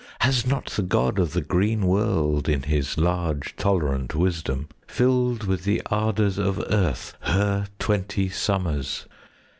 Has not the god of the green world, 5 In his large tolerant wisdom, Filled with the ardours of earth Her twenty summers?